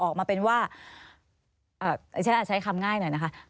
ชั้นอาจใช้คำง่ายหน่อยนะคะ